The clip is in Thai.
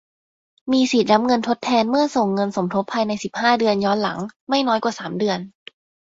มีสิทธิ์รับเงินทดแทนเมื่อส่งเงินสมทบภายใน สิบห้า เดือน ย้อนหลัง ไม่น้อยกว่า สาม เดือน